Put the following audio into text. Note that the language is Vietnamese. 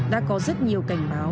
đã có rất nhiều cảnh báo